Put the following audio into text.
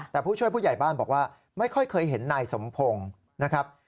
แต่ผู้ช่วยผู้ใหญ่บ้านบอกว่าไม่ค่อยเคยเห็นนายสมพงศ์นะครับ